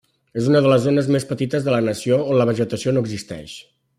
És una de les zones més petites de la nació on la vegetació no existeix.